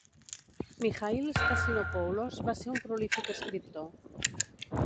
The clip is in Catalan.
Michail Stasinopoulos va ser un prolífic escriptor.